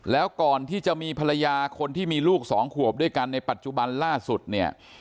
แล้วก่อนที่จะมีภรรยาคนที่มีลูกสองขวบด้วยกันในปัจจุบันล่าสุดเนี่ย